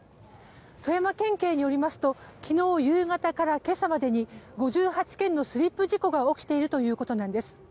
富山県警によりますと昨日夕方から今朝までに５８件のスリップ事故が起きているということなんです。